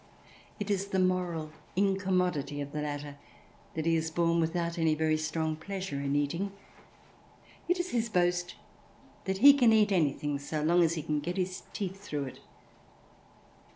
It is the moral incommodity of the latter that he is born without any very strong pleasure in eating. It is his boast that he can eat anything so long as he can get his teeth through it.